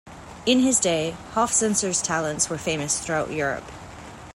In his day, Hofzinser's talents were famous throughout Europe.